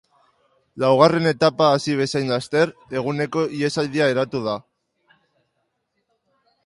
Laugarren etapa hasi bezain laster eguneko ihesaldia eratu da.